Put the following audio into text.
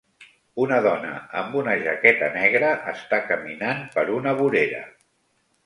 Una dona amb una jaqueta negra està caminant per una vorera